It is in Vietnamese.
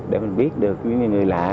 để mình biết được những người lạ